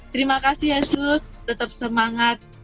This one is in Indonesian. terima kasih yesus tetap semangat